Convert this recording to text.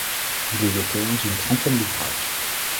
Il est l'auteur d'une trentaine d'ouvrages.